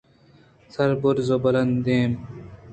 سر بُرز ءُ بُلند دائم